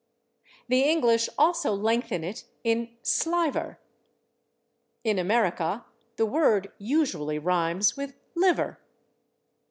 The English also lengthen it in /sliver/; in America the word usually rhymes with /liver